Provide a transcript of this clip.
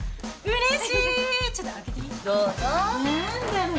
うれしい。